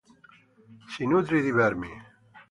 Si nutre di vermi.